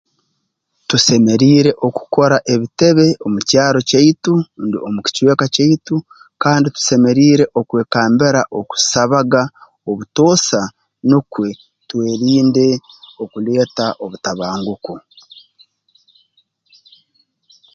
Tusemeriire okukora ebitebe omu kyaro kyaitu rundi omu kicweka kyaitu kandi tusemeriire okwekambira okusabaga obutoosa nukwe twerinde okuleeta obutabanguko